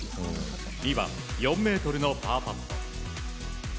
２番、４ｍのパーパット。